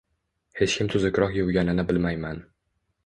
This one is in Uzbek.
Hech kim tuzukroq yuvganini bilmayman.